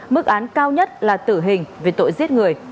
mức án cao nhất là tử hình về tội giết người